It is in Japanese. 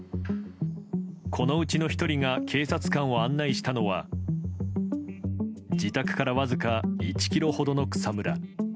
このうちの１人が警察官を案内したのは自宅からわずか１ｋｍほどの草むら。